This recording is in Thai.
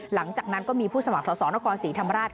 หลังจากนั้นก็มีผู้สมัครสอบนครศรีธรรมราช